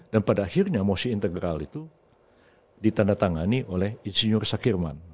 dan pada akhirnya mosi integral itu ditandatangani oleh insinyur sakhirman